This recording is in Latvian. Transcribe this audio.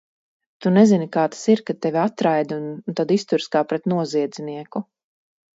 Tu nezini, kā tas ir, kad tevi atraida un tad izturas kā pret noziedznieku!